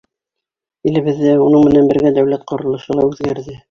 Илебеҙ ҙә, уның менән бергә дәүләт ҡоролошо ла үҙгәрҙе.